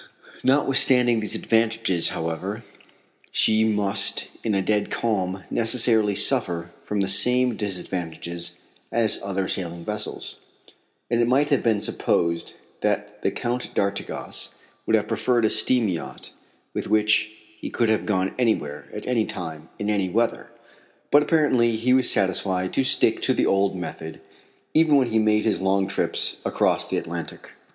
Notwithstanding these advantages, however, she must in a dead calm necessarily suffer from the same disadvantages as other sailing vessels, and it might have been supposed that the Count d'Artigas would have preferred a steam yacht with which he could have gone anywhere, at any time, in any weather. But apparently he was satisfied to stick to the old method, even when he made his long trips across the Atlantic.